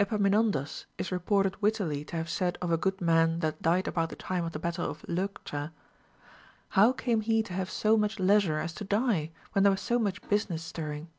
Epamin ondas is reported wittily to have said of a good man that died about the time of the battle of Leuctra, How came he to have so much leisure as to die, when there was so much business stirring